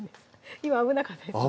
今危なかったですね